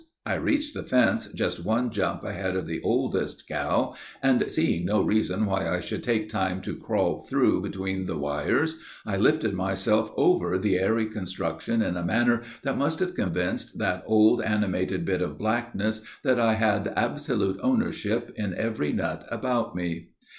I reached the fence just one jump ahead of the oldest cow, and, seeing no reason why I should take time to crawl through between the wires, I lifted myself over the airy obstruction in a manner that must have convinced that old animated bit of blackness that I had absolute ownership in every nut about me.